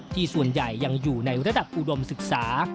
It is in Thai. ส่วนใหญ่ยังอยู่ในระดับอุดมศึกษา